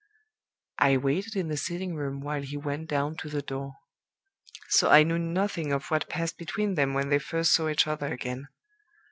"I waited in the sitting room while he went down to the door; so I knew nothing of what passed between them when they first saw each other again.